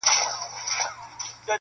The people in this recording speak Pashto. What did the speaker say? که نسيم الوزي اِېرې اوروي-